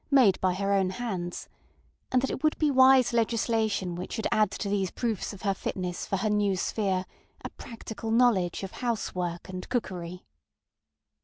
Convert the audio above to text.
made by her own hands, and that it would be wise legislation which should add to these proofs of her fitness for her new sphere a practical knowledge of housework and cookery.